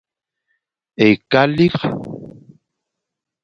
Ekalik.